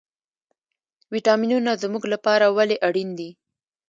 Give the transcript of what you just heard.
ویټامینونه زموږ لپاره ولې اړین دي